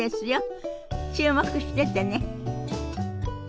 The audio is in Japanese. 注目しててね。